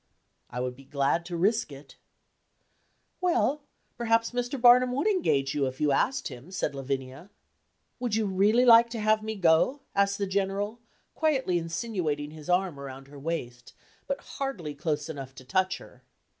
"I would be glad to risk it." "Well, perhaps Mr. Barnum would engage you, if you asked him," said Lavinia. "Would you really like to have me go?" asked the General, quietly insinuating his arm around her waist, but hardly close enough to touch her.